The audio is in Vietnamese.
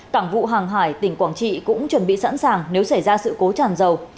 cảng vụ hàng hải tỉnh quảng trị cũng chuẩn bị sẵn sàng nếu xảy ra sự cố tràn dầu